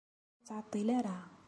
Ur ttɛeṭṭil ara!